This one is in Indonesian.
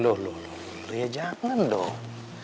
loh loh loh ya jangan dong